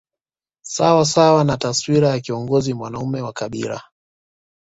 Sawa sawa na taswira ya kiongozi mwanaume wa kabila